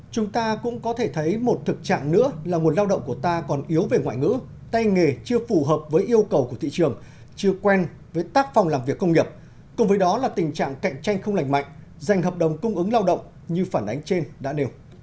chúng ta cũng có thể thấy một thực trạng nữa là nguồn lao động của ta còn yếu về ngoại ngữ tay nghề chưa phù hợp với yêu cầu của thị trường chưa quen với tác phong làm việc công nghiệp cùng với đó là tình trạng cạnh tranh không lành mạnh dành hợp đồng cung ứng lao động như phản ánh trên đã nêu